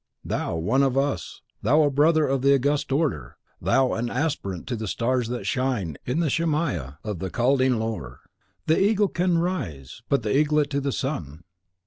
THOU one of us; thou a brother of the August Order; thou an Aspirant to the Stars that shine in the Shemaia of the Chaldean lore! The eagle can raise but the eaglet to the sun.